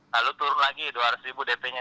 lalu turun lagi dua ratus ribu dp nya